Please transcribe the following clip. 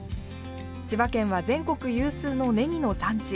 千葉県は全国有数のねぎの産地。